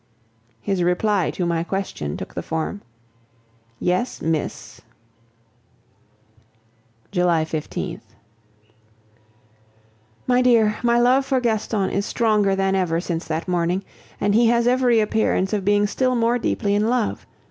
His reply to my question took the form, "Yes, Miss." July 15th. My dear, my love for Gaston is stronger than ever since that morning, and he has every appearance of being still more deeply in love.